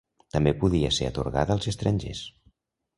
També podia ser atorgada als estrangers.